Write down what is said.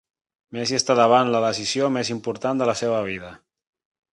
Messi està davant la decisió més important de la seva vida.